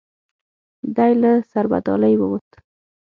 دی له سربدالۍ ووت.